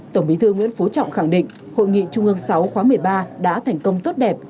tổng bí thư nguyễn phú trọng khẳng định hội nghị trung ương sáu khóa một mươi ba đã thành công tốt đẹp